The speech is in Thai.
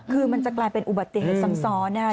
คือมันจะกลายเป็นอุบัติเหตุซ้ำซ้อนนะครับ